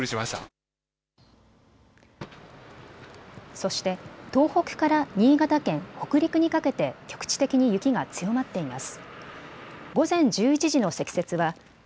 そして東北から新潟県、北陸にかけて局地的に雪が強まっています。